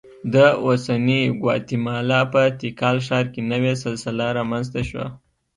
د اوسنۍ ګواتیمالا په تیکال ښار کې نوې سلسله رامنځته شوه